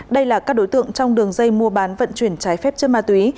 đây là các đối tượng trong đường dây mua bán vận chuyển trái phép chất ma túy